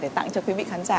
để tặng cho quý vị khán giả